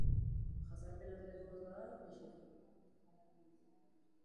Jazarpena telefonoz bada, eseki.